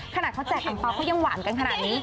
ขนาดเขาแจกอังเปล่าเขายังหวานกันขนาดนี้